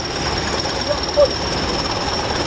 "Sadie, you are always too impulsive.